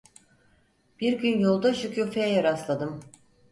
Bir gün yolda Şükufe'ye rastladım.